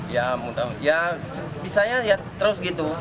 ya mudah ya bisanya ya terus gitu